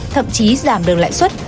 thậm chí giảm đường lãi xuất